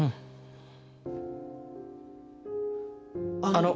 あの。